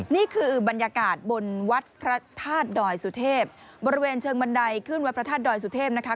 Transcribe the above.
นี่คือบรรยากาศบนวัดพระธาตุดอยสุเทพบริเวณเชิงบันไดขึ้นวัดพระธาตุดอยสุเทพนะคะ